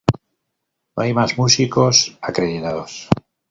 No hay más músicos acreditados.